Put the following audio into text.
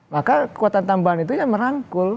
maka kekuatan tambahan itu ya merangkul